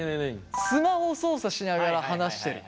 「スマホ操作しながら話してる」。